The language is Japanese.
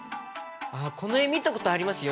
あこの絵見たことありますよ。